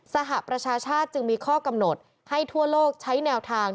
สหประชาชาติจึงมีข้อกำหนดให้ทั่วโลกใช้แนวทาง